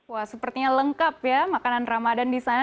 wah sepertinya lengkap ya makanan ramadan di sana